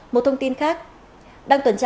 một thông tin khác